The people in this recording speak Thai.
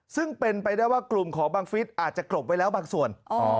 ซึ่งเป็นไปได้ว่ากลุ่มของบังฟิศอาจจะกลบไว้แล้วบางส่วน